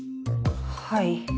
はい。